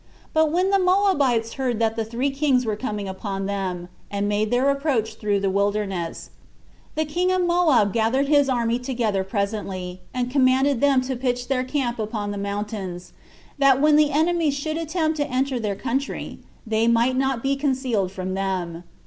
But when the Moabites heard that the three kings were coming upon them, and made their approach through the wilderness, the king of Moab gathered his army together presently, and commanded them to pitch their camp upon the mountains, that when the enemies should attempt to enter their country, they might not be concealed from them.